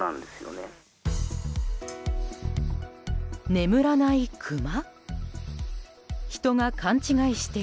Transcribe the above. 眠らないクマ？